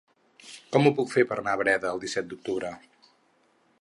Com ho puc fer per anar a Breda el disset d'octubre?